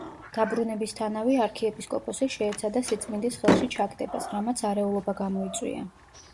დაბრუნებისთანავე არქიეპისკოპოსი შეეცადა სიწმინდის ხელში ჩაგდებას, რამაც არეულობა გამოიწვია.